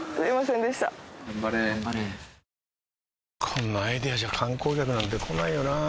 こんなアイデアじゃ観光客なんて来ないよなあ